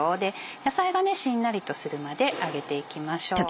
野菜がしんなりとするまで揚げていきましょう。